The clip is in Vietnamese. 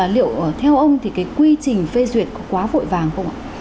liệu theo ông thì cái quy trình phê duyệt có quá vội vàng không ạ